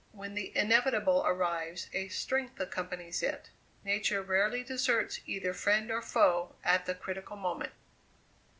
When the inevitable arrives a strength accompanies it. Nature rarely deserts either friend or foe at the critical moment.